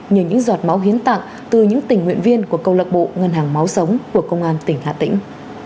như những giọt máu hiến tặng từ những tình nguyện viên của câu lạc bộ ngân hàng máu sống của công an tỉnh hà tĩnh